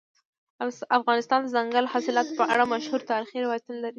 افغانستان د دځنګل حاصلات په اړه مشهور تاریخی روایتونه لري.